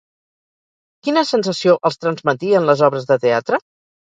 Quina sensació els transmetien les obres de teatre?